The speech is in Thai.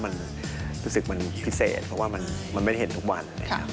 มันรู้สึกมันพิเศษเพราะว่ามันไม่ได้เห็นทุกวันนะครับ